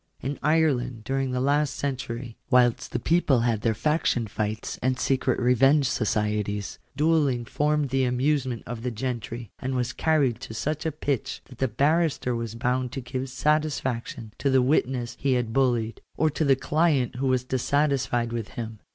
In Ireland, during the last century, whilst the people had their faction fights and secret revenge societies, duelling formed the amusement of the gentry, and was carried to such a pitch that the barrister was bound to give satisfaction to the wit ness he had bullied, or to the client who was dissatisfied with him*.